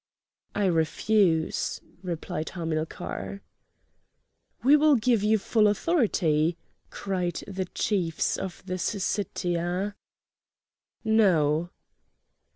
"I refuse," replied Hamilcar. "We will give you full authority," cried the chiefs of the Syssitia. "No!"